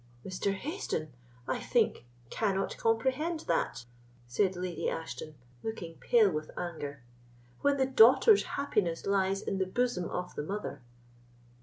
"Mr. Hayston, I think, cannot comprehend that," said Lady Ashton, looking pale with anger, "when the daughter's happiness lies in the bosom of the mother.